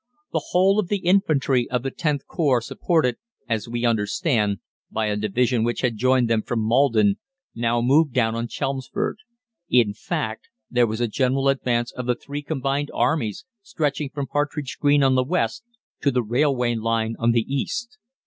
The whole of the infantry of the Xth Corps, supported as we understand by a division which had joined them from Maldon, now moved down on Chelmsford. In fact, there was a general advance of the three combined armies stretching from Partridge Green on the west to the railway line on the east.